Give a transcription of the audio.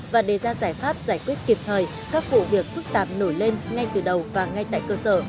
và đề ra giải pháp giải quyết kịp thời các vụ việc phức tạp nổi lên ngay từ đầu và ngay tại cơ sở